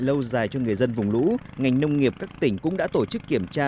dành cho người dân vùng lũ ngành nông nghiệp các tỉnh cũng đã tổ chức kiểm tra